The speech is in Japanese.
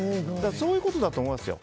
そういうことだと思いますよ。